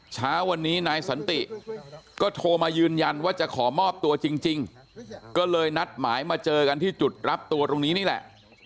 เช้าวันนี้นายสันติก็โทรมายืนยันว่าจะขอมอบตัวจริงก็เลยนัดหมายมาเจอกันที่จุดรับตัวตรงนี้นี่แหละ